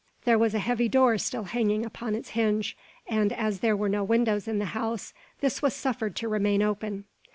There was a heavy door still hanging upon its hinge; and as there were no windows in the house, this was suffered to remain open.